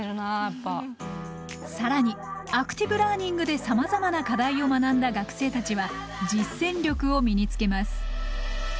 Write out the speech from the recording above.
更にアクティブラーニングでさまざまな課題を学んだ学生たちは実践力を身につけます。